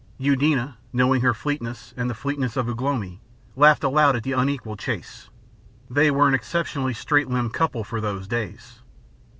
Eudena, knowing her fleetness and the fleetness of Ugh lomi, laughed aloud at the unequal chase. They were an exceptionally straight limbed couple for those days.